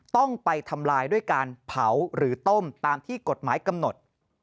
ต้องไปทำลายด้วยการเผาหรือต้มตามที่กฎหมายกำหนด